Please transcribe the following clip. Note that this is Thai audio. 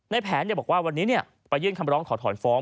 แผนบอกว่าวันนี้ไปยื่นคำร้องขอถอนฟ้อง